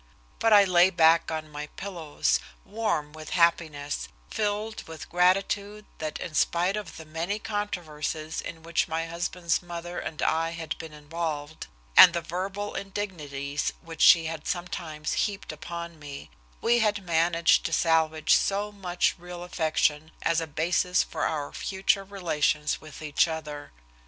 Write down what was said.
But I lay back on my pillows, warm with happiness, filled with gratitude that in spite of the many controversies in which my husband's mother and I had been involved, and the verbal indignities which she had sometimes heaped upon me, we had managed to salvage so much real affection as a basis for our future relations with each other.